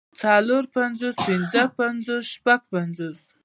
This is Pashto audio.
څلور پنځوس پنځۀ پنځوس شپږ پنځوس